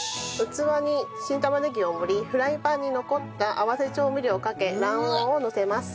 器に新玉ねぎを盛りフライパンに残った合わせ調味料をかけ卵黄をのせます。